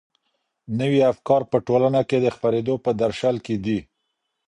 نوي افکار په ټولنه کي د خپرېدو په درشل کي دي.